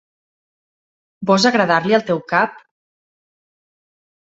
Vols agradar-li al teu cap?